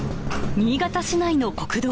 新潟市内の国道。